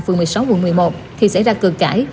phường một mươi sáu quận một mươi một thì xảy ra cửa cãi